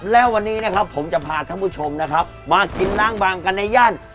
และวันนี้นะครับผมจะพาท่านผู้ชมนะครับมากินล้างบางกันในย่าน